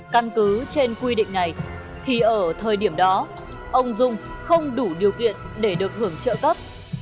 căn cứ trên quy định này thì ở thời điểm đó ông dung không đủ điều kiện để được hưởng trợ cấp